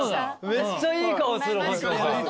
めっちゃいい顔する星野さん。